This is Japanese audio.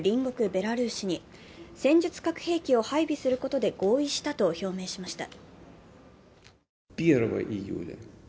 ベラルーシに戦術核兵器を配備することで合意したと表明しました。